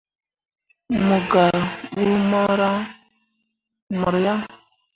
Mo gah buu mor yaŋ.